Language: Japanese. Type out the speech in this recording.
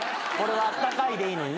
あったかいでいいのにね。